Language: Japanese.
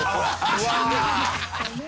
うわ！